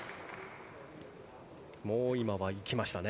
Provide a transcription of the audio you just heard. もう今は行きましたね。